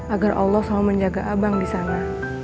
agar allah selalu menjaga abang disana